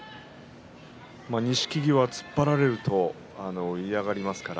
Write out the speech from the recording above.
錦木は突っ張られると嫌がります。